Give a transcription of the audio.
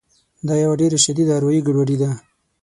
دا یوه ډېره شدیده اروایي ګډوډي ده